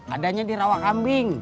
adanya di rawakambing